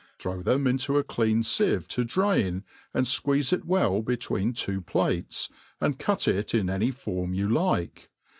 Throw them into aclekn fieve to drain, ai^d fqueeze it well betweeh two plates, ztfd cut) it in any form you like.